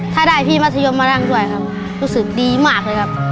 ถ้าได้พี่มัธยมมานั่งด้วยครับรู้สึกดีมากเลยครับ